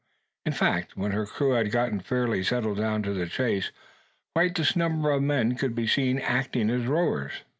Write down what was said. In fact, when her crew had got fairly settled down to the chase, quite this number of men could be seen acting as rowers.